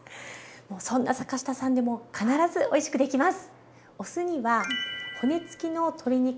そんな坂下さんでも必ずおいしくできます。